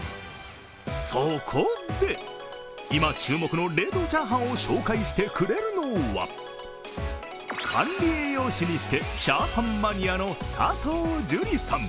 そこで、今注目の冷凍チャーハンを紹介してくれるのは管理栄養士にして、チャーハンマニアの佐藤樹里さん。